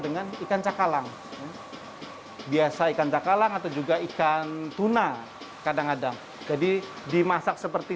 dengan ikan cakalang biasa ikan cakalang atau juga ikan tuna kadang kadang jadi dimasak seperti